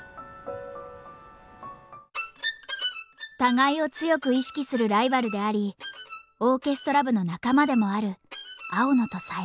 互いを強く意識するライバルでありオーケストラ部の仲間でもある青野と佐伯。